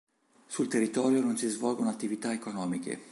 Sul territorio non si svolgono attività economiche.